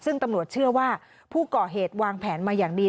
ซึ่งตำรวจเชื่อว่าผู้ก่อเหตุวางแผนมาอย่างดี